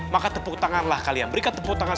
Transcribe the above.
maka tepuk tanganlah kalian berikan tepuk tangan